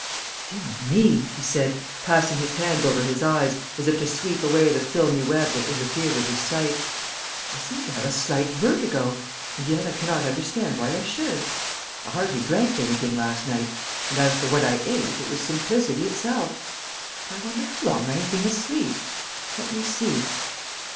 "Dear me!" he said, passing his hands over his eyes as if to sweep away the filmy web that interfered with his sight. "I seem to have a slight vertigo, and yet I cannot understand why I should. I hardly drank anything last night, and as for what I ate it was simplicity itself. But I wonder how long I have been asleep; let me see."